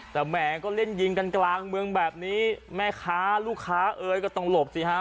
แต่แหมก็เล่นยิงกันกลางเมืองแบบนี้แม่ค้าลูกค้าเอ่ยก็ต้องหลบสิฮะ